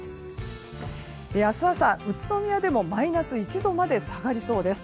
明日朝、宇都宮でもマイナス１度まで下がりそうです。